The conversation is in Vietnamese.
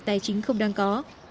tài chính không đang có